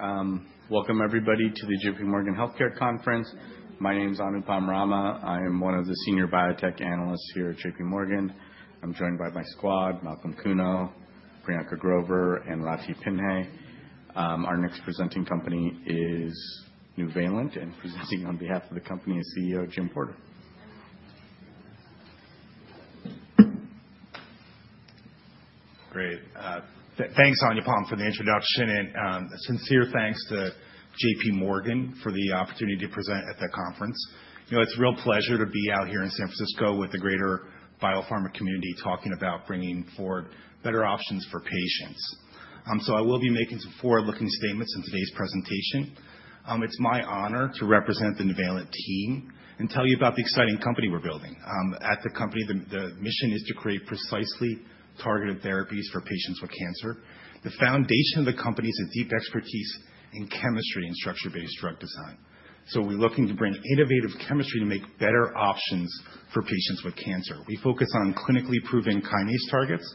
All right. Welcome, everybody, to the J.P. Morgan Healthcare Conference. My name is Anupam Rama. I am one of the senior biotech analysts here at J.P. Morgan. I'm joined by my squad, Malcolm Kuno, Priyanka Grover, and Rashi Singh. Our next presenting company is Nuvalent, and presenting on behalf of the company is CEO Jim Porter. Great. Thanks, Anupam, for the introduction, and a sincere thanks to J.P. Morgan for the opportunity to present at the conference. It's a real pleasure to be out here in San Francisco with the greater biopharma community talking about bringing forward better options for patients, so I will be making some forward-looking statements in today's presentation. It's my honor to represent the Nuvalent team and tell you about the exciting company we're building. At the company, the mission is to create precisely targeted therapies for patients with cancer. The foundation of the company is a deep expertise in chemistry and structure-based drug design, so we're looking to bring innovative chemistry to make better options for patients with cancer. We focus on clinically proven kinase targets.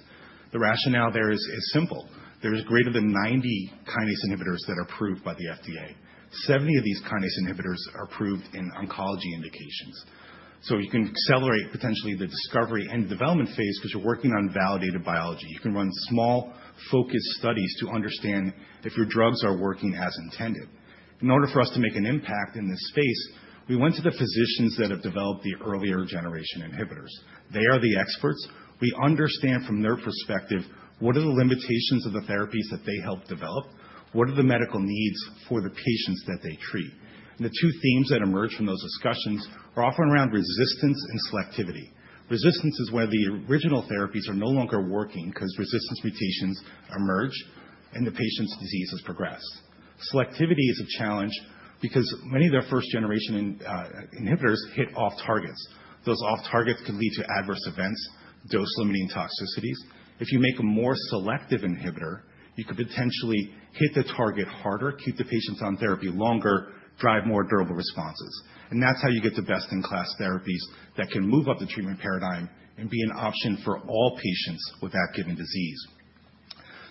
The rationale there is simple. There are greater than 90 kinase inhibitors that are approved by the FDA. 70 of these kinase inhibitors are approved in oncology indications. So you can accelerate potentially the discovery and development phase because you're working on validated biology. You can run small, focused studies to understand if your drugs are working as intended. In order for us to make an impact in this space, we went to the physicians that have developed the earlier generation inhibitors. They are the experts. We understand from their perspective what are the limitations of the therapies that they help develop, what are the medical needs for the patients that they treat. And the two themes that emerge from those discussions are often around resistance and selectivity. Resistance is where the original therapies are no longer working because resistance mutations emerge and the patient's disease has progressed. Selectivity is a challenge because many of their first-generation inhibitors hit off-targets. Those off-targets can lead to adverse events, dose-limiting toxicities. If you make a more selective inhibitor, you could potentially hit the target harder, keep the patients on therapy longer, drive more durable responses. And that's how you get the best-in-class therapies that can move up the treatment paradigm and be an option for all patients with that given disease.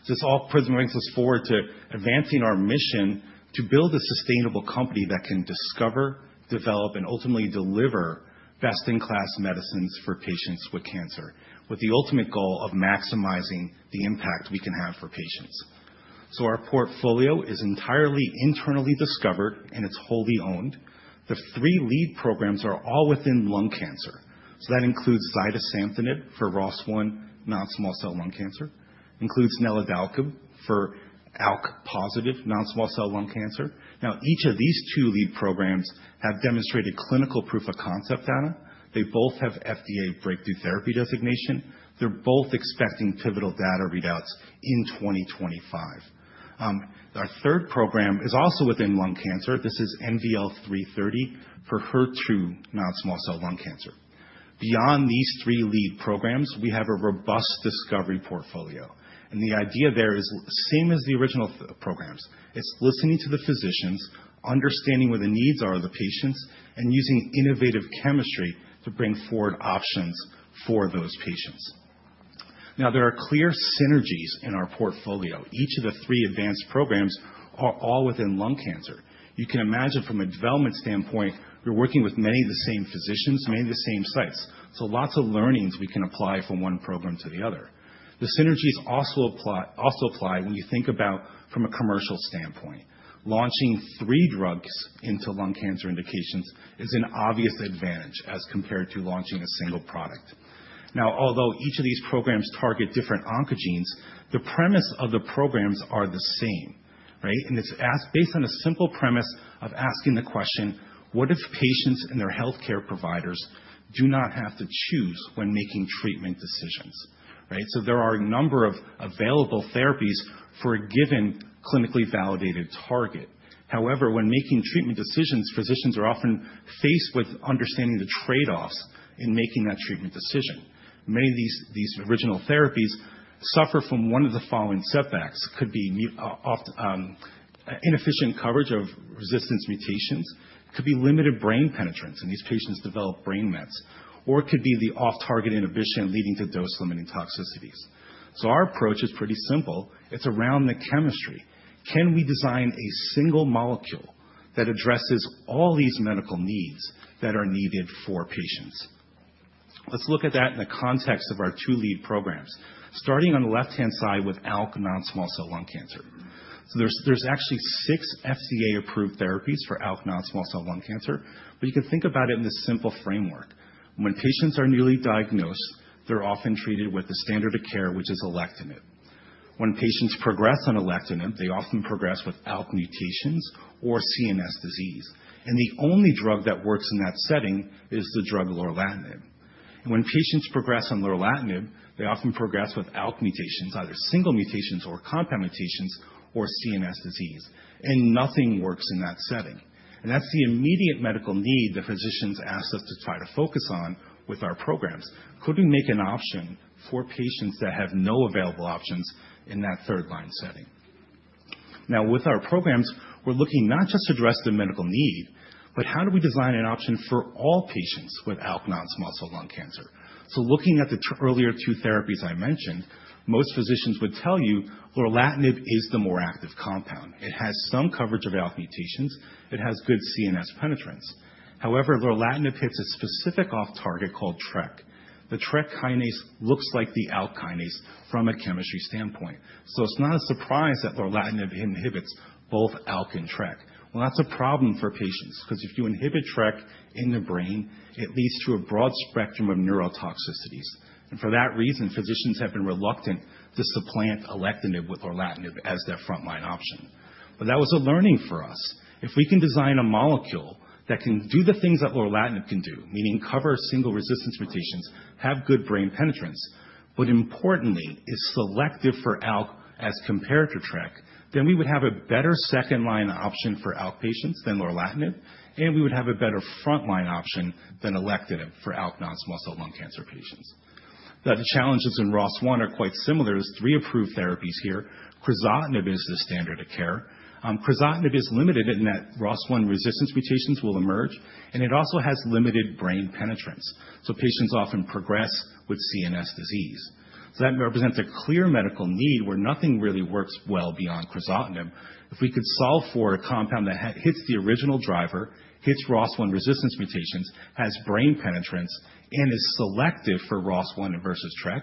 So this all brings us forward to advancing our mission to build a sustainable company that can discover, develop, and ultimately deliver best-in-class medicines for patients with cancer, with the ultimate goal of maximizing the impact we can have for patients. So our portfolio is entirely internally discovered, and it's wholly owned. The three lead programs are all within lung cancer. So that includes zidesamtinib for ROS1 non-small cell lung cancer, includes NVL-655 for ALK-positive non-small cell lung cancer. Now, each of these two lead programs have demonstrated clinical proof of concept data. They both have FDA Breakthrough Therapy Designation. They're both expecting pivotal data readouts in 2025. Our third program is also within lung cancer. This is NVL-330 for HER2 non-small cell lung cancer. Beyond these three lead programs, we have a robust discovery portfolio, and the idea there is the same as the original programs. It's listening to the physicians, understanding where the needs are of the patients, and using innovative chemistry to bring forward options for those patients. Now, there are clear synergies in our portfolio. Each of the three advanced programs are all within lung cancer. You can imagine from a development standpoint, you're working with many of the same physicians, many of the same sites, so lots of learnings we can apply from one program to the other. The synergies also apply when you think about from a commercial standpoint. Launching three drugs into lung cancer indications is an obvious advantage as compared to launching a single product. Now, although each of these programs target different oncogenes, the premise of the programs is the same, and it's based on a simple premise of asking the question, "What if patients and their healthcare providers do not have to choose when making treatment decisions?" so there are a number of available therapies for a given clinically validated target. However, when making treatment decisions, physicians are often faced with understanding the trade-offs in making that treatment decision. Many of these original therapies suffer from one of the following setbacks. It could be inefficient coverage of resistance mutations, it could be limited brain penetrance, and these patients develop brain mets, or it could be the off-target inhibition leading to dose-limiting toxicities. Our approach is pretty simple. It's around the chemistry. Can we design a single molecule that addresses all these medical needs that are needed for patients? Let's look at that in the context of our two lead programs, starting on the left-hand side with ALK non-small cell lung cancer. There's actually six FDA-approved therapies for ALK non-small cell lung cancer, but you can think about it in this simple framework. When patients are newly diagnosed, they're often treated with the standard of care, which is alectinib. When patients progress on alectinib, they often progress with ALK mutations or CNS disease. The only drug that works in that setting is the drug lorlatinib. When patients progress on lorlatinib, they often progress with ALK mutations, either single mutations or compound mutations or CNS disease. Nothing works in that setting. And that's the immediate medical need the physicians asked us to try to focus on with our programs. Could we make an option for patients that have no available options in that third-line setting? Now, with our programs, we're looking not just to address the medical need, but how do we design an option for all patients with ALK non-small cell lung cancer? So looking at the earlier two therapies I mentioned, most physicians would tell you lorlatinib is the more active compound. It has some coverage of ALK mutations. It has good CNS penetrance. However, lorlatinib hits a specific off-target called TRK. The TRK kinase looks like the ALK kinase from a chemistry standpoint. So it's not a surprise that lorlatinib inhibits both ALK and TRK. Well, that's a problem for patients because if you inhibit TRK in the brain, it leads to a broad spectrum of neurotoxicities. For that reason, physicians have been reluctant to supplant alectinib with lorlatinib as their front-line option. That was a learning for us. If we can design a molecule that can do the things that lorlatinib can do, meaning cover solvent-front resistance mutations, have good brain penetrance, but importantly, is selective for ALK as compared to TRK, then we would have a better second-line option for ALK patients than lorlatinib, and we would have a better front-line option than alectinib for ALK non-small cell lung cancer patients. The challenges in ROS1 are quite similar. There are three approved therapies here. Crizotinib is the standard of care. Crizotinib is limited in that ROS1 resistance mutations will emerge, and it also has limited brain penetrance. Patients often progress with CNS disease. That represents a clear medical need where nothing really works well beyond crizotinib. If we could solve for a compound that hits the original driver, hits ROS1 resistance mutations, has brain penetrance, and is selective for ROS1 versus TRK,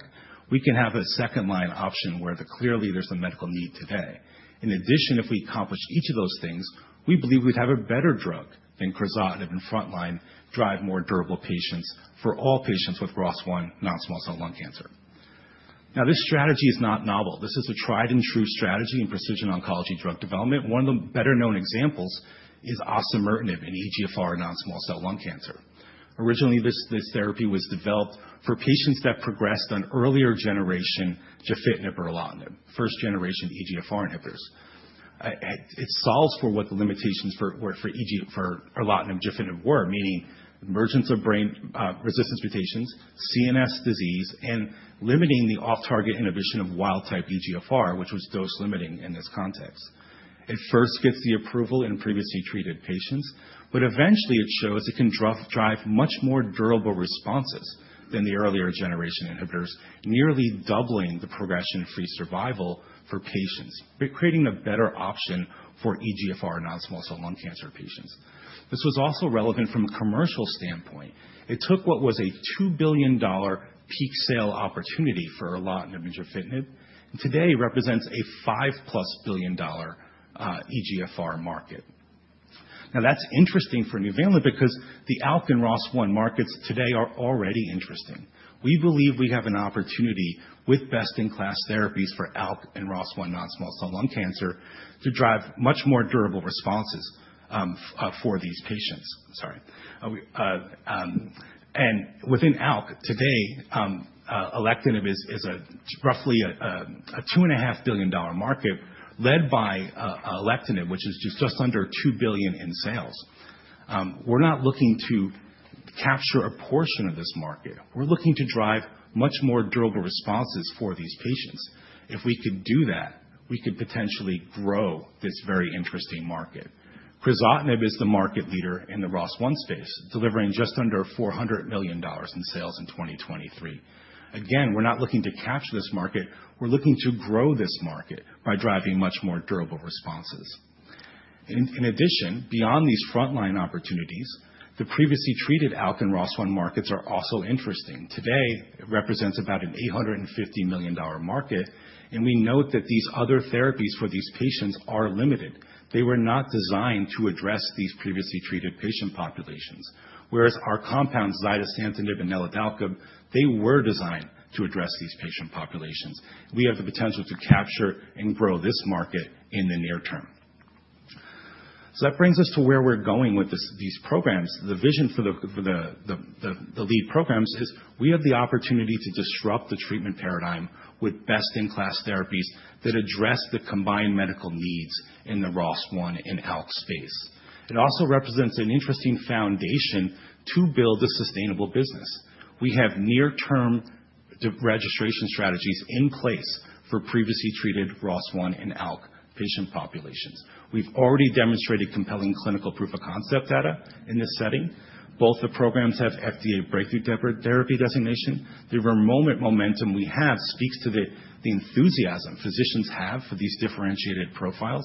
we can have a second-line option where clearly there's a medical need today. In addition, if we accomplish each of those things, we believe we'd have a better drug than crizotinib in frontline, drive more durable responses for all patients with ROS1 non-small cell lung cancer. Now, this strategy is not novel. This is a tried-and-true strategy in precision oncology drug development. One of the better-known examples is osimertinib in EGFR non-small cell lung cancer. Originally, this therapy was developed for patients that progressed on earlier-generation gefitinib or erlotinib, first-generation EGFR inhibitors. It solves for what the limitations for erlotinib and gefitinib were, meaning emergence of brain resistance mutations, CNS disease, and limiting the off-target inhibition of wild-type EGFR, which was dose-limiting in this context. It first gets the approval in previously treated patients, but eventually, it shows it can drive much more durable responses than the earlier generation inhibitors, nearly doubling the progression-free survival for patients, creating a better option for EGFR non-small cell lung cancer patients. This was also relevant from a commercial standpoint. It took what was a $2 billion peak sales opportunity for erlotinib and gefitinib and today represents a $5+billion EGFR market. Now, that's interesting for Nuvalent because the ALK and ROS1 markets today are already interesting. We believe we have an opportunity with best-in-class therapies for ALK and ROS1 non-small cell lung cancer to drive much more durable responses for these patients. Within ALK today, alectinib is roughly a $2.5 billion market led by alectinib, which is just under $2 billion in sales. We're not looking to capture a portion of this market. We're looking to drive much more durable responses for these patients. If we could do that, we could potentially grow this very interesting market. Crizotinib is the market leader in the ROS1 space, delivering just under $400 million in sales in 2023. Again, we're not looking to capture this market. We're looking to grow this market by driving much more durable responses. In addition, beyond these front-line opportunities, the previously treated ALK and ROS1 markets are also interesting. Today, it represents about an $850 million market, and we note that these other therapies for these patients are limited. They were not designed to address these previously treated patient populations. Whereas our compounds, zidesamtinib and NVL-655, they were designed to address these patient populations. We have the potential to capture and grow this market in the near term. So that brings us to where we're going with these programs. The vision for the lead programs is we have the opportunity to disrupt the treatment paradigm with best-in-class therapies that address the combined medical needs in the ROS1 and ALK space. It also represents an interesting foundation to build a sustainable business. We have near-term registration strategies in place for previously treated ROS1 and ALK patient populations. We've already demonstrated compelling clinical proof of concept data in this setting. Both the programs have FDA Breakthrough Therapy Designation. The momentum we have speaks to the enthusiasm physicians have for these differentiated profiles.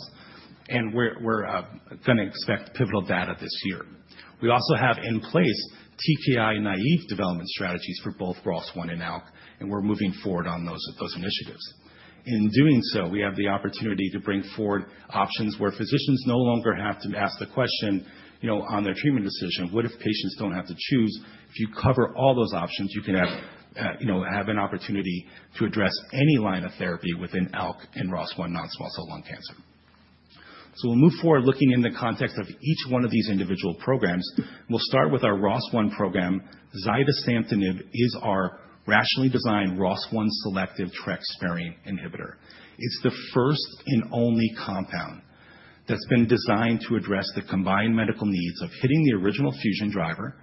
And we're going to expect pivotal data this year. We also have in place TKI-naive development strategies for both ROS1 and ALK, and we're moving forward on those initiatives. In doing so, we have the opportunity to bring forward options where physicians no longer have to ask the question on their treatment decision, "What if patients don't have to choose?" If you cover all those options, you can have an opportunity to address any line of therapy within ALK and ROS1 non-small cell lung cancer. So we'll move forward looking in the context of each one of these individual programs. We'll start with our ROS1 program. Zidesamtinib is our rationally designed ROS1 selective TRK sparing inhibitor. It's the first and only compound that's been designed to address the combined medical needs of hitting the original fusion driver,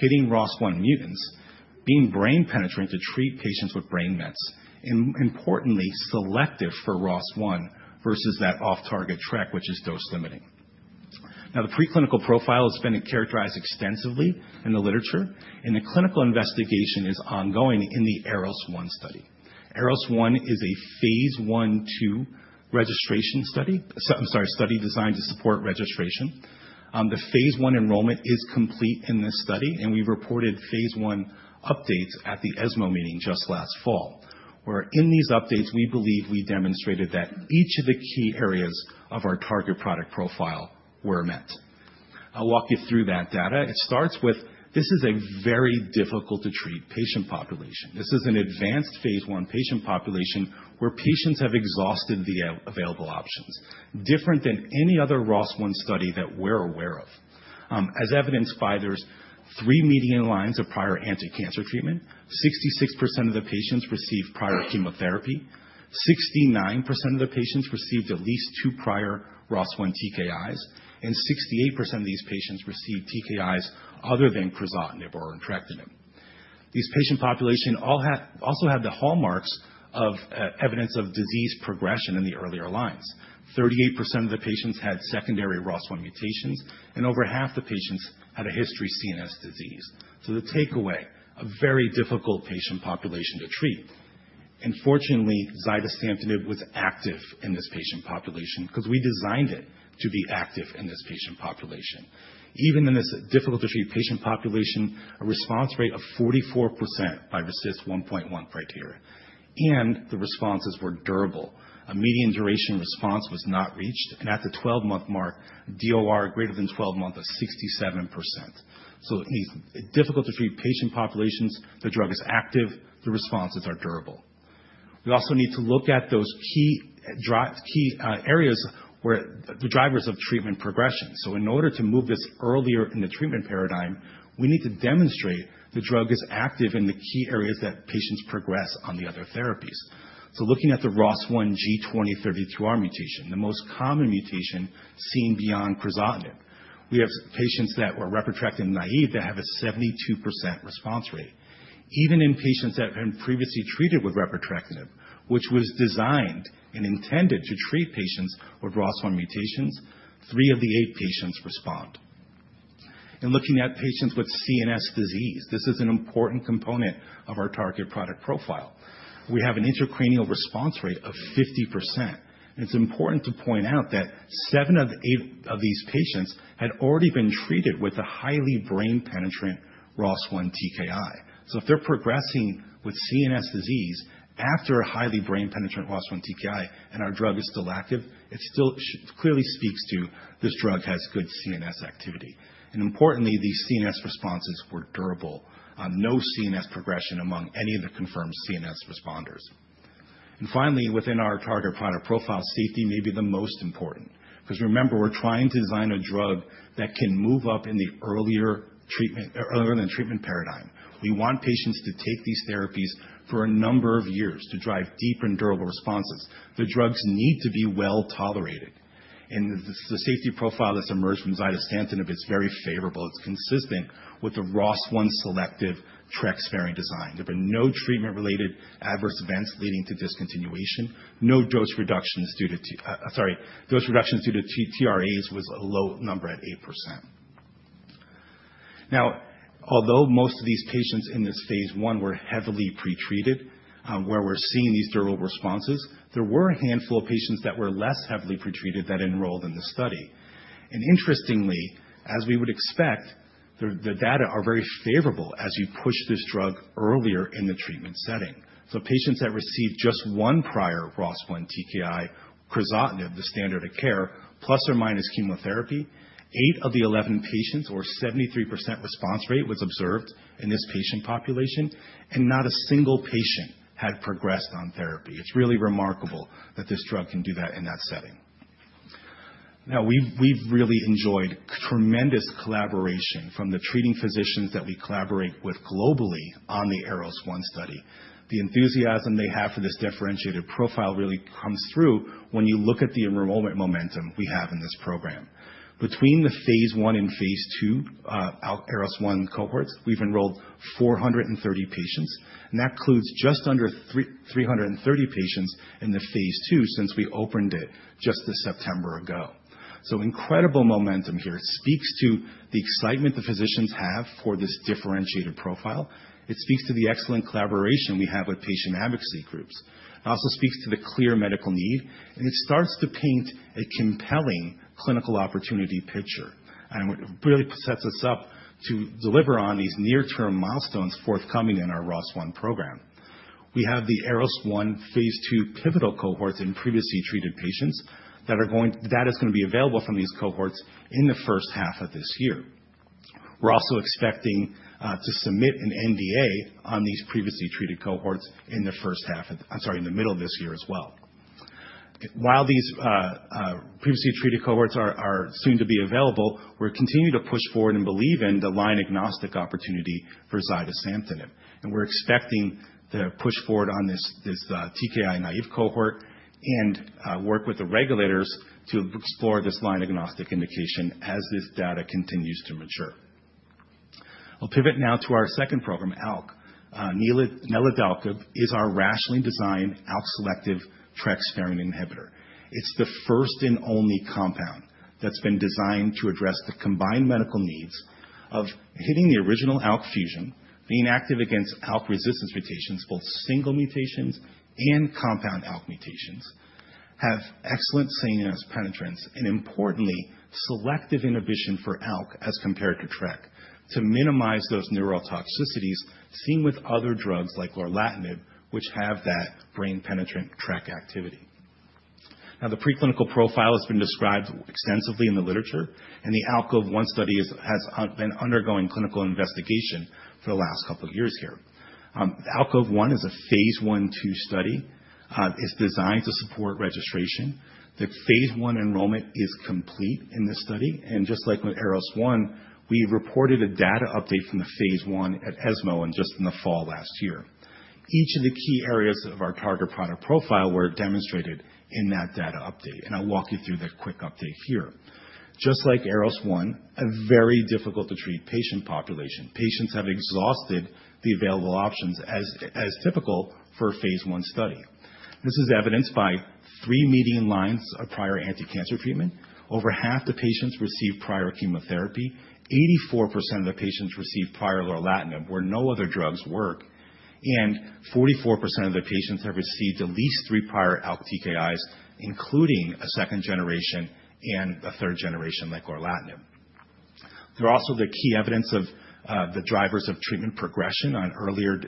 hitting ROS1 mutants, being brain penetrant to treat patients with brain mets, and importantly, selective for ROS1 versus that off-target TRK, which is dose-limiting. Now, the preclinical profile has been characterized extensively in the literature, and the clinical investigation is ongoing in the ARROS-1 study. ARROS-1 is a phase I to registration study, I'm sorry, study designed to support registration. The phase I enrollment is complete in this study, and we reported phase I updates at the ESMO meeting just last fall, where in these updates, we believe we demonstrated that each of the key areas of our target product profile were met. I'll walk you through that data. It starts with this is a very difficult-to-treat patient population. This is an advanced phase I patient population where patients have exhausted the available options, different than any other ROS1 study that we're aware of. As evidenced by there's three median lines of prior anti-cancer treatment, 66% of the patients received prior chemotherapy, 69% of the patients received at least two prior ROS1 TKIs, and 68% of these patients received TKIs other than crizotinib or entrectinib. These patient population also had the hallmarks of evidence of disease progression in the earlier lines. 38% of the patients had secondary ROS1 mutations, and over half the patients had a history of CNS disease. So the takeaway, a very difficult patient population to treat. And fortunately, zidesamtinib was active in this patient population because we designed it to be active in this patient population. Even in this difficult-to-treat patient population, a response rate of 44% by RECIST 1.1 criteria. The responses were durable. A median duration response was not reached. At the 12-month mark, DOR greater than 12 months of 67%. In these difficult-to-treat patient populations, the drug is active. The responses are durable. We also need to look at those key areas where the drivers of treatment progression. In order to move this earlier in the treatment paradigm, we need to demonstrate the drug is active in the key areas that patients progress on the other therapies. Looking at the ROS1 G2032R mutation, the most common mutation seen beyond crizotinib, we have patients that were repotrectinib-naive that have a 72% response rate. Even in patients that have been previously treated with repotrectinib, which was designed and intended to treat patients with ROS1 mutations, three of the eight patients respond. Looking at patients with CNS disease, this is an important component of our target product profile. We have an intracranial response rate of 50%. It's important to point out that seven of the eight of these patients had already been treated with a highly brain-penetrant ROS1 TKI. If they're progressing with CNS disease after a highly brain-penetrant ROS1 TKI and our drug is still active, it still clearly speaks to this drug has good CNS activity. Importantly, these CNS responses were durable. No CNS progression among any of the confirmed CNS responders. Finally, within our target product profile, safety may be the most important because remember, we're trying to design a drug that can move up in the earlier treatment paradigm. We want patients to take these therapies for a number of years to drive deep and durable responses. The drugs need to be well tolerated, and the safety profile that's emerged from zidesamtinib, it's very favorable. It's consistent with the ROS1 selective TRK sparing design. There were no treatment-related adverse events leading to discontinuation. No dose reductions due to TRAs was a low number at 8%. Now, although most of these patients in this phase 1 were heavily pretreated, where we're seeing these durable responses, there were a handful of patients that were less heavily pretreated that enrolled in the study, and interestingly, as we would expect, the data are very favorable as you push this drug earlier in the treatment setting, so patients that received just one prior ROS1 TKI, crizotinib, the standard of care, ± chemotherapy, eight of the 11 patients or 73% response rate was observed in this patient population, and not a single patient had progressed on therapy. It's really remarkable that this drug can do that in that setting. Now, we've really enjoyed tremendous collaboration from the treating physicians that we collaborate with globally on the ARROS-1 study. The enthusiasm they have for this differentiated profile really comes through when you look at the enrollment momentum we have in this program. Between the Phase I and Phase II ARROS-1 cohorts, we've enrolled 430 patients, and that includes just under 330 patients in the phase II since we opened it just this September ago. So incredible momentum here. It speaks to the excitement the physicians have for this differentiated profile. It speaks to the excellent collaboration we have with patient advocacy groups. It also speaks to the clear medical need, and it starts to paint a compelling clinical opportunity picture. And it really sets us up to deliver on these near-term milestones forthcoming in our ROS1 program. We have the ARROS-1 Phase II pivotal cohorts in previously treated patients that is going to be available from these cohorts in the first half of this year. We're also expecting to submit an NDA on these previously treated cohorts in the first half of, I'm sorry, in the middle of this year as well. While these previously treated cohorts are soon to be available, we're continuing to push forward and believe in the line-agnostic opportunity for zidesamtinib, and we're expecting to push forward on this TKI-naive cohort and work with the regulators to explore this line-agnostic indication as this data continues to mature. I'll pivot now to our second program, ALK. NVL-655 is our rationally designed ALK-selective TRK-sparing inhibitor. It's the first and only compound that's been designed to address the combined medical needs of hitting the original ALK fusion, being active against ALK resistance mutations, both single mutations and compound ALK mutations, have excellent CNS penetrance, and importantly, selective inhibition for ALK as compared to TRK to minimize those neurotoxicities seen with other drugs like lorlatinib, which have that brain penetrance TRK activity. Now, the preclinical profile has been described extensively in the literature, and the ALKOVE-1 study has been undergoing clinical investigation for the last couple of years here. ALKOVE-1 is a Phase 1/2 study. It's designed to support registration. The phase I enrollment is complete in this study. And just like with ARROS-1, we reported a data update from the phase I at ESMO just in the fall last year. Each of the key areas of our target product profile were demonstrated in that data update. I'll walk you through that quick update here. Just like ALKOVE-1, a very difficult-to-treat patient population. Patients have exhausted the available options as typical for a phase I study. This is evidenced by a median of three lines of prior anti-cancer treatment. Over half the patients received prior chemotherapy. 84% of the patients received prior lorlatinib where no other drugs work. 44% of the patients have received at least three prior ALK TKIs, including a second-generation and a third-generation like lorlatinib. There is also key evidence of the drivers of treatment progression on earlier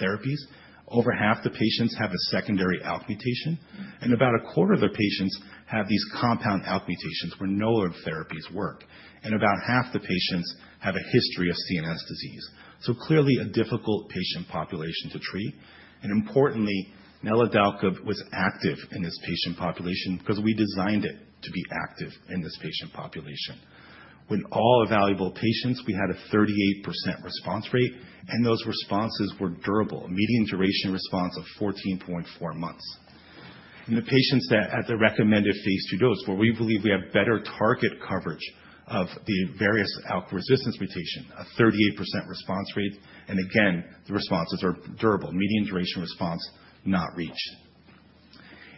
therapies. Over half the patients have a secondary ALK mutation. About a quarter of the patients have these compound ALK mutations where no other therapies work. And about half the patients have a history of CNS disease. So clearly a difficult patient population to treat. And importantly, NVL-655 was active in this patient population because we designed it to be active in this patient population. With all available patients, we had a 38% response rate, and those responses were durable, median duration response of 14.4 months. And the patients that at the recommended phase II dose, where we believe we have better target coverage of the various ALK resistance mutation, a 38% response rate. And again, the responses are durable, median duration response not reached.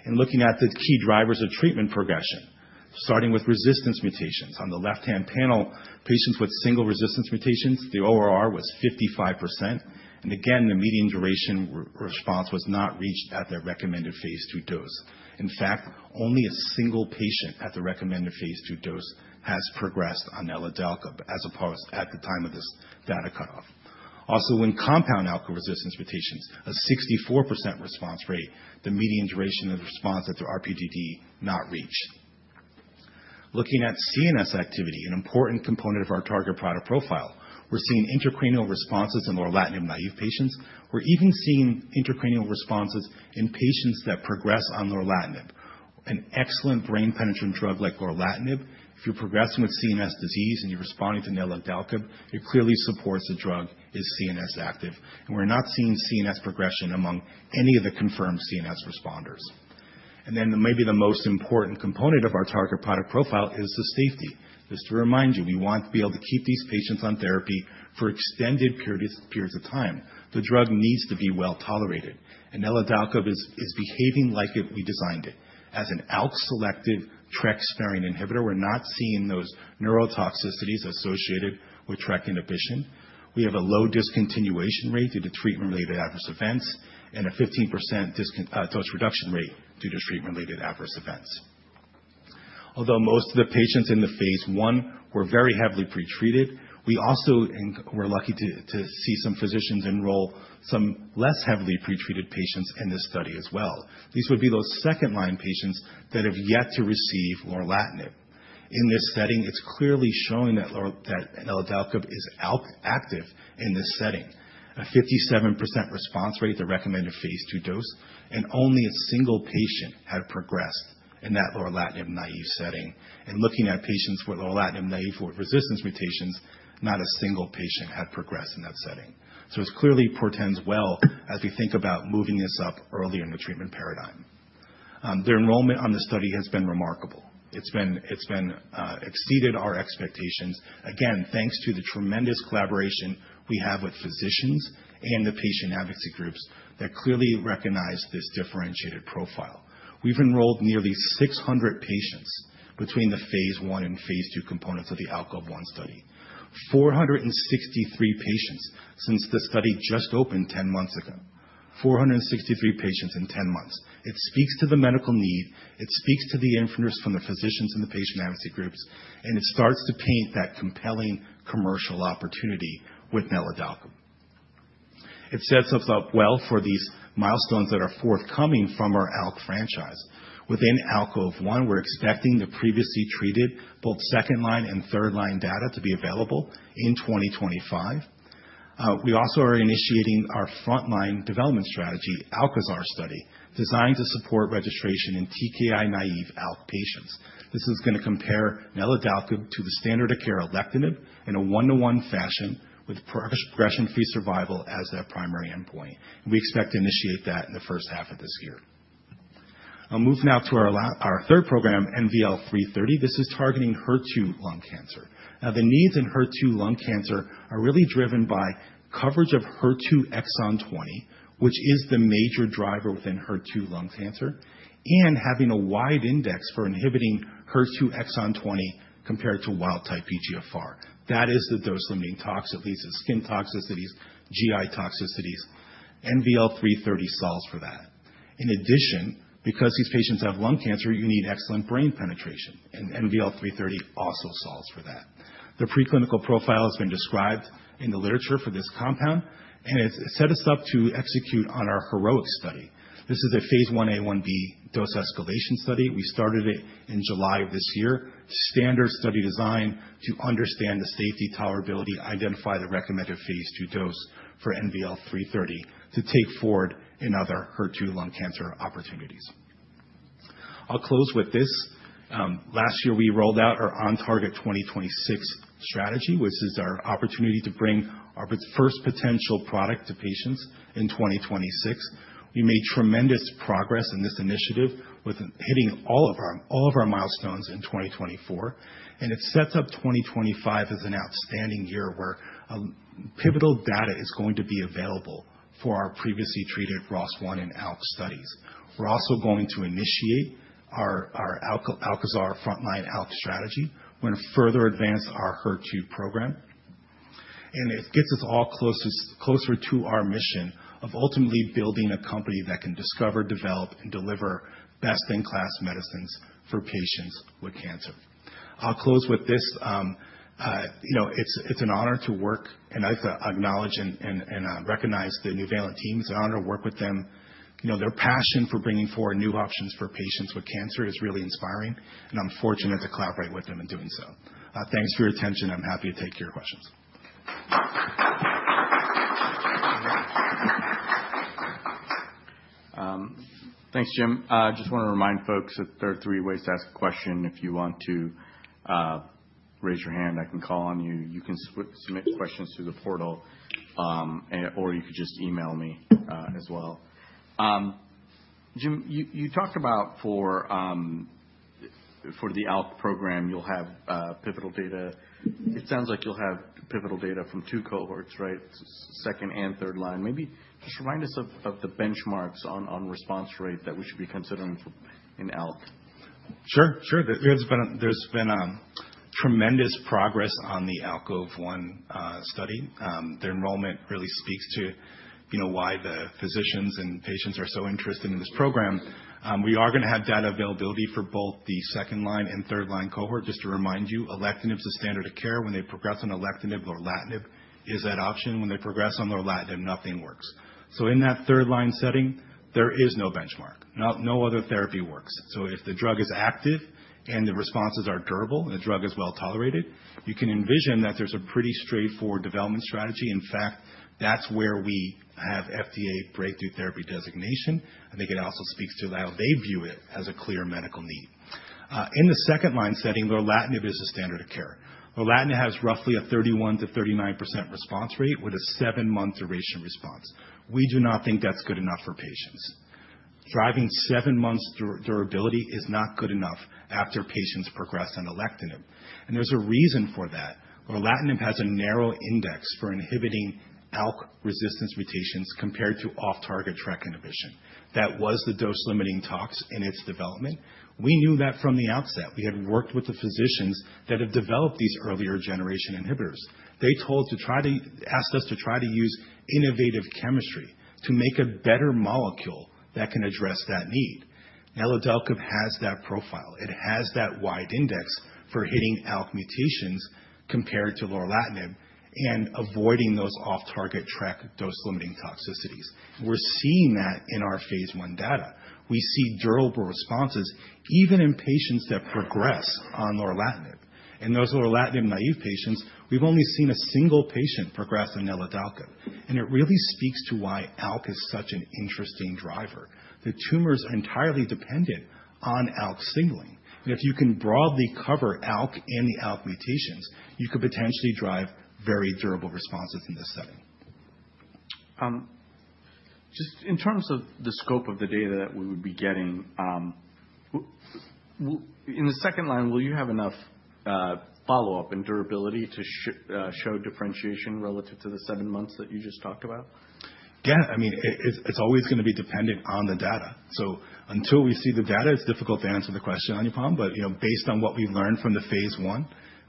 And looking at the key drivers of treatment progression, starting with resistance mutations. On the left-hand panel, patients with single resistance mutations, the ORR was 55%. And again, the median duration response was not reached at the recommended phase II dose. In fact, only a single patient at the recommended phase II dose has progressed on NVL-655 as opposed at the time of this data cutoff. Also, when compound ALK resistance mutations, a 64% response rate, the median duration of response at the RP2D not reached. Looking at CNS activity, an important component of our target product profile, we're seeing intracranial responses in lorlatinib-naive patients. We're even seeing intracranial responses in patients that progress on lorlatinib. An excellent brain penetrance drug like lorlatinib, if you're progressing with CNS disease and you're responding to NVL-655, it clearly supports the drug is CNS active, and we're not seeing CNS progression among any of the confirmed CNS responders, and then maybe the most important component of our target product profile is the safety. Just to remind you, we want to be able to keep these patients on therapy for extended periods of time. The drug needs to be well tolerated. NVL-655 is behaving like we designed it. As an ALK selective TRK sparing inhibitor, we're not seeing those neurotoxicities associated with TRK inhibition. We have a low discontinuation rate due to treatment-related adverse events and a 15% dose reduction rate due to treatment-related adverse events. Although most of the patients in the phase I were very heavily pretreated, we also were lucky to see some physicians enroll some less heavily pretreated patients in this study as well. These would be those second-line patients that have yet to receive lorlatinib. In this setting, it's clearly showing that NVL-655 is active in this setting. A 57% response rate to recommended phase II dose, and only a single patient had progressed in that lorlatinib naive setting. Looking at patients with lorlatinib naive with resistance mutations, not a single patient had progressed in that setting. So it clearly portends well as we think about moving this up earlier in the treatment paradigm. The enrollment on the study has been remarkable. It has exceeded our expectations. Again, thanks to the tremendous collaboration we have with physicians and the patient advocacy groups that clearly recognize this differentiated profile. We've enrolled nearly 600 patients between the phase I and phase II components of the ALKOVE-1 study. 463 patients since the study just opened 10 months ago. 463 patients in 10 months. It speaks to the medical need. It speaks to the interest from the physicians and the patient advocacy groups. It starts to paint that compelling commercial opportunity with NVL-655. It sets us up well for these milestones that are forthcoming from our ALK franchise. Within ALKOVE-1, we're expecting the previously treated both second-line and third-line data to be available in 2025. We also are initiating our frontline development strategy, ALKAZAR study, designed to support registration in TKI-naïve ALK patients. This is going to compare NVL-655 to the standard of care alectinib in a one-to-one fashion with progression-free survival as their primary endpoint. We expect to initiate that in the first half of this year. I'll move now to our third program, NVL-330. This is targeting HER2 lung cancer. Now, the needs in HER2 lung cancer are really driven by coverage of HER2 exon 20, which is the major driver within HER2 lung cancer, and having a wide index for inhibiting HER2 exon 20 compared to wild-type EGFR. That is the dose-limiting toxicity, leads to skin toxicities, GI toxicities. NVL-330 solves for that. In addition, because these patients have lung cancer, you need excellent brain penetration. And NVL-330 also solves for that. The preclinical profile has been described in the literature for this compound, and it sets us up to execute on our HEROEX study. This is a Phase 1a/1b dose escalation study. We started it in July of this year. Standard study design to understand the safety, tolerability, identify the recommended phase II dose for NVL-330 to take forward in other HER2 lung cancer opportunities. I'll close with this. Last year, we rolled out our OnTarget 2026 strategy, which is our opportunity to bring our first potential product to patients in 2026. We made tremendous progress in this initiative with hitting all of our milestones in 2024. And it sets up 2025 as an outstanding year where pivotal data is going to be available for our previously treated ROS1 and ALK studies. We're also going to initiate our ALKAZAR frontline ALK strategy. We're going to further advance our HER2 program. And it gets us all closer to our mission of ultimately building a company that can discover, develop, and deliver best-in-class medicines for patients with cancer. I'll close with this. It's an honor to work, and I have to acknowledge and recognize the Nuvalent teams. It's an honor to work with them. Their passion for bringing forward new options for patients with cancer is really inspiring, and I'm fortunate to collaborate with them in doing so. Thanks for your attention. I'm happy to take your questions. Thanks, James. I just want to remind folks that there are three ways to ask a question. If you want to raise your hand, I can call on you. You can submit questions through the portal, or you could just email me as well. James, you talked about for the ALK program, you'll have pivotal data. It sounds like you'll have pivotal data from two cohorts, right? Second and third line. Maybe just remind us of the benchmarks on response rate that we should be considering in ALK. Sure, sure. There's been tremendous progress on the ALKOVE-1 study. Their enrollment really speaks to why the physicians and patients are so interested in this program. We are going to have data availability for both the second-line and third-line cohort. Just to remind you, alectinib is a standard of care. When they progress on alectinib, lorlatinib is that option. When they progress on lorlatinib, nothing works. So in that third-line setting, there is no benchmark. No other therapy works. So if the drug is active and the responses are durable and the drug is well tolerated, you can envision that there's a pretty straightforward development strategy. In fact, that's where we have FDA Breakthrough Therapy Designation. I think it also speaks to how they view it as a clear medical need. In the second-line setting, lorlatinib is a standard of care. Lorlatinib has roughly a 31%-39% response rate with a seven-month duration response. We do not think that's good enough for patients. Driving seven months durability is not good enough after patients progress on alectinib. And there's a reason for that. Lorlatinib has a narrow index for inhibiting ALK resistance mutations compared to off-target TRK inhibition. That was the dose-limiting tox in its development. We knew that from the outset. We had worked with the physicians that have developed these earlier generation inhibitors. They told us to try to use innovative chemistry to make a better molecule that can address that need. NVL-655 has that profile. It has that wide index for hitting ALK mutations compared to lorlatinib and avoiding those off-target TRK dose-limiting toxicities. We're seeing that in our phase I data. We see durable responses even in patients that progress on lorlatinib. And those lorlatinib-naive patients, we've only seen a single patient progress on NVL-655. And it really speaks to why ALK is such an interesting driver. The tumors are entirely dependent on ALK signaling. And if you can broadly cover ALK and the ALK mutations, you could potentially drive very durable responses in this setting. Just in terms of the scope of the data that we would be getting, in the second line, will you have enough follow-up and durability to show differentiation relative to the seven months that you just talked about? Yeah, I mean, it's always going to be dependent on the data, so until we see the data, it's difficult to answer the question, Anupam, but based on what we've learned from the phase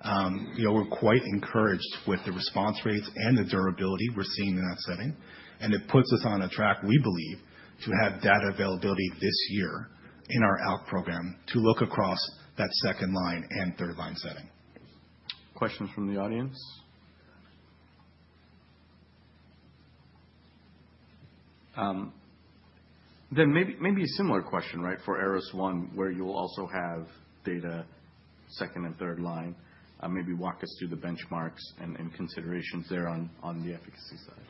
I, we're quite encouraged with the response rates and the durability we're seeing in that setting, and it puts us on a track, we believe, to have data availability this year in our ALK program to look across that second-line and third-line setting. Questions from the audience? Then maybe a similar question, right, for ARROS-1, where you'll also have data second and third line. Maybe walk us through the benchmarks and considerations there on the efficacy side.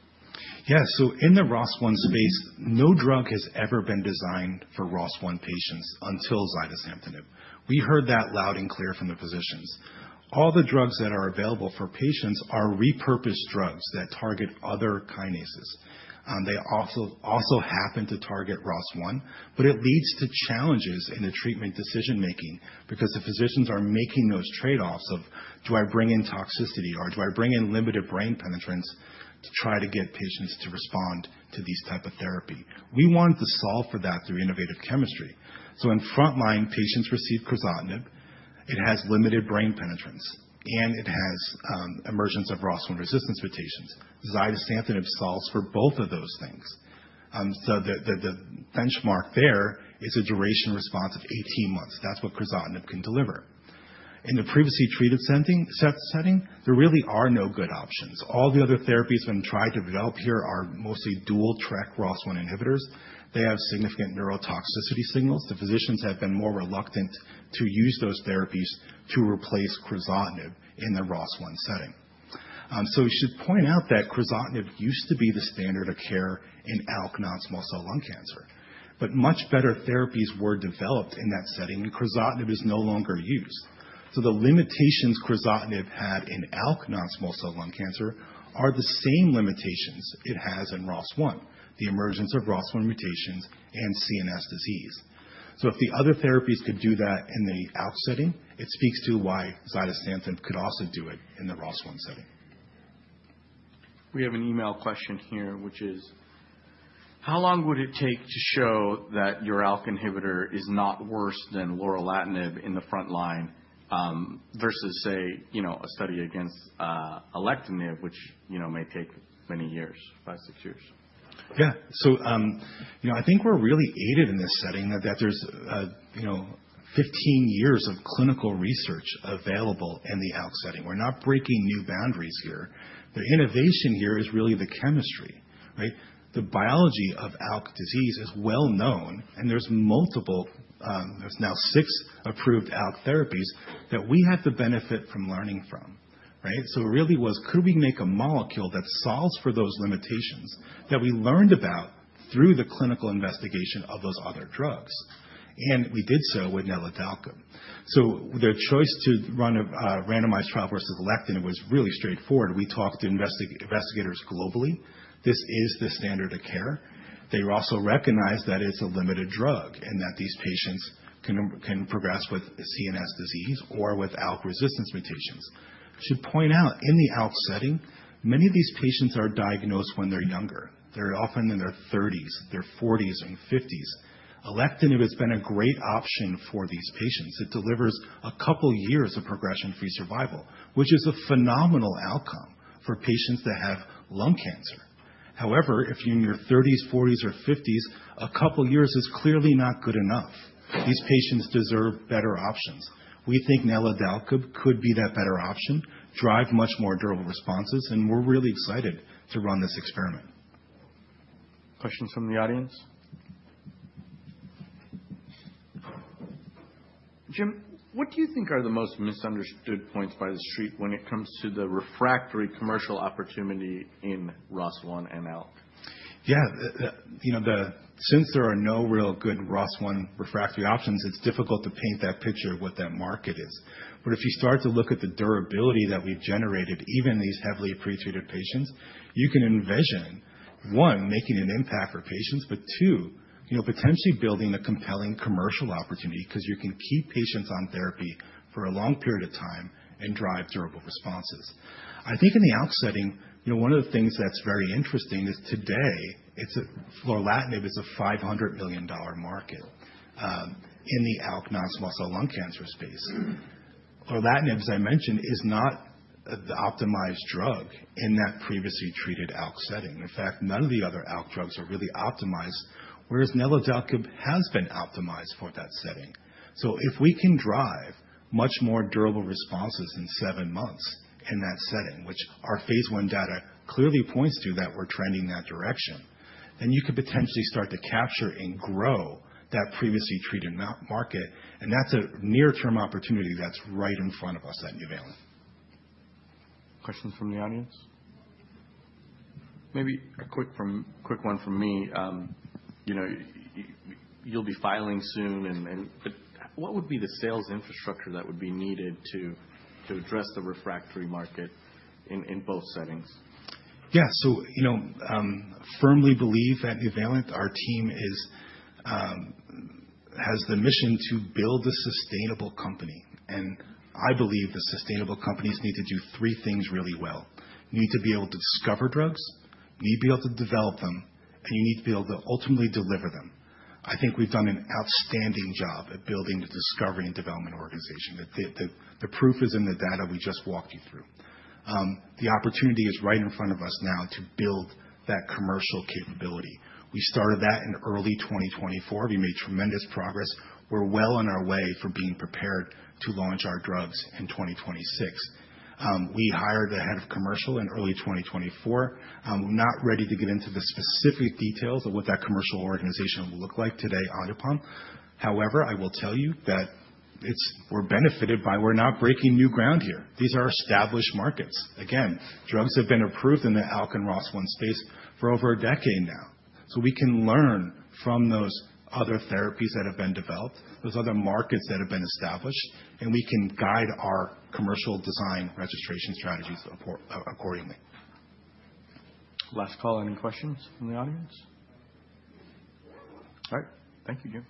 Yeah, so in the ROS1 space, no drug has ever been designed for ROS1 patients until zidesamtinib. We heard that loud and clear from the physicians. All the drugs that are available for patients are repurposed drugs that target other kinases. They also happen to target ROS1, but it leads to challenges in the treatment decision-making because the physicians are making those trade-offs of, do I bring in toxicity or do I bring in limited brain penetrance to try to get patients to respond to these types of therapy? We want to solve for that through innovative chemistry. So in frontline, patients receive crizotinib. It has limited brain penetrance, and it has emergence of ROS1 resistance mutations. Zidesamtinib solves for both of those things. So the benchmark there is a duration response of 18 months. That's what crizotinib can deliver. In the previously treated setting, there really are no good options. All the other therapies we've tried to develop here are mostly dual TRK ROS1 inhibitors. They have significant neurotoxicity signals. The physicians have been more reluctant to use those therapies to replace crizotinib in the ROS1 setting. So we should point out that crizotinib used to be the standard of care in ALK non-small cell lung cancer. But much better therapies were developed in that setting, and crizotinib is no longer used. So the limitations crizotinib had in ALK non-small cell lung cancer are the same limitations it has in ROS1, the emergence of ROS1 mutations and CNS disease. So if the other therapies could do that in the ALK setting, it speaks to why zidesamtinib could also do it in the ROS1 setting. We have an email question here, which is, how long would it take to show that your ALK inhibitor is not worse than lorlatinib in the frontline versus, say, a study against alectinib, which may take many years, five, six years? Yeah, so I think we're really aided in this setting that there's 15 years of clinical research available in the ALK setting. We're not breaking new boundaries here. The innovation here is really the chemistry, right? The biology of ALK disease is well known, and there's multiple, there's now six approved ALK therapies that we have the benefit from learning from, right? So it really was, could we make a molecule that solves for those limitations that we learned about through the clinical investigation of those other drugs? And we did so with NVL-655. So their choice to run a randomized trial versus alectinib was really straightforward. We talked to investigators globally. This is the standard of care. They also recognize that it's a limited drug and that these patients can progress with CNS disease or with ALK resistance mutations. I should point out, in the ALK setting, many of these patients are diagnosed when they're younger. They're often in their 30s, their 40s, and 50s. Alectinib has been a great option for these patients. It delivers a couple of years of progression-free survival, which is a phenomenal outcome for patients that have lung cancer. However, if you're in your 30s, 40s, or 50s, a couple of years is clearly not good enough. These patients deserve better options. We think NVL-655 could be that better option, drive much more durable responses, and we're really excited to run this experiment. Questions from the audience? Jim, what do you think are the most misunderstood points by the street when it comes to the refractory commercial opportunity in ROS1 and ALK? Yeah, since there are no real good ROS1 refractory options, it's difficult to paint that picture of what that market is. But if you start to look at the durability that we've generated, even these heavily pretreated patients, you can envision, one, making an impact for patients, but two, potentially building a compelling commercial opportunity because you can keep patients on therapy for a long period of time and drive durable responses. I think in the ALK setting, one of the things that's very interesting is today, lorlatinib is a $500 million market in the ALK non-small cell lung cancer space. Lorlatinib, as I mentioned, is not the optimized drug in that previously treated ALK setting. In fact, none of the other ALK drugs are really optimized, whereas NVL-655 has been optimized for that setting. So if we can drive much more durable responses in seven months in that setting, which our phase I data clearly points to that we're trending in that direction, then you could potentially start to capture and grow that previously treated market. And that's a near-term opportunity that's right in front of us at Nuvalent. Questions from the audience? Maybe a quick one from me. You'll be filing soon, but what would be the sales infrastructure that would be needed to address the refractory market in both settings? Yeah, so firmly believe at Nuvalent, our team has the mission to build a sustainable company. I believe the sustainable companies need to do three things really well. You need to be able to discover drugs, you need to be able to develop them, and you need to be able to ultimately deliver them. I think we've done an outstanding job at building the discovery and development organization. The proof is in the data we just walked you through. The opportunity is right in front of us now to build that commercial capability. We started that in early 2024. We made tremendous progress. We're well on our way for being prepared to launch our drugs in 2026. We hired the head of commercial in early 2024. I'm not ready to get into the specific details of what that commercial organization will look like today, Anupam. However, I will tell you that we're benefited by not breaking new ground here. These are established markets. Again, drugs have been approved in the ALK and ROS1 space for over a decade now, so we can learn from those other therapies that have been developed, those other markets that have been established, and we can guide our commercial design registration strategies accordingly. Last call, any questions from the audience? All right, thank you, Jim.